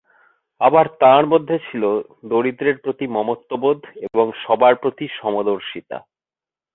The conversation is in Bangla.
আবার তাঁর মধ্যে ছিল দরিদ্রের প্রতি মমত্ববোধ এবং সবার প্রতি সমদর্শিতা।